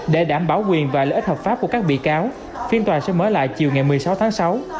để đảm bảo quyền và lợi ích hợp pháp của các bị cáo phiên tòa sẽ mở lại chiều ngày một mươi sáu tháng sáu